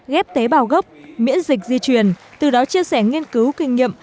ghép tế bào gốc miễn dịch di truyền từ đó chia sẻ nghiên cứu kinh nghiệm